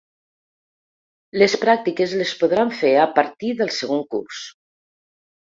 Les pràctiques les podran a fer a partir del segon curs.